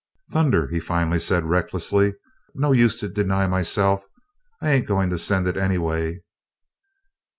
"Thunder!" he finally said recklessly. "No use to deny myself! I ain't goin' to send it, anyway!"